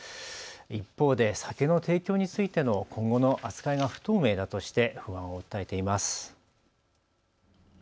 一方で酒の提供についての今後の扱いが不透明だとして不安を訴えています。